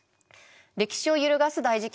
歴史を揺るがす大事件。